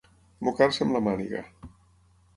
Mocar-se amb la màniga.